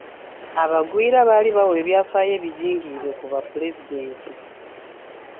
Abagwira baali bawa ebyafaayo ebijingirire ku bapulezidenti.